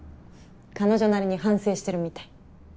彼女なりに反省してるみたい。